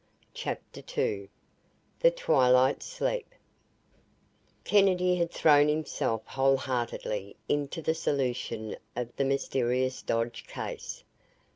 CHAPTER II THE TWILIGHT SLEEP Kennedy had thrown himself wholeheartedly into the solution of the mysterious Dodge case.